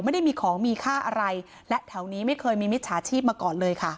ไม่ได้มีของมีค่าอะไรและแถวนี้ไม่เคยมีมิจฉาชีพมาก่อนเลยค่ะ